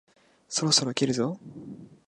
そろそろ切るぞ？